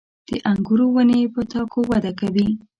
• د انګورو ونې په تاکو وده کوي.